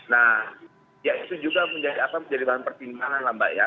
nah ya itu juga menjadi bahan pertimbangan lah mbak ya